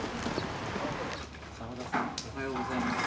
澤田さんおはようございます。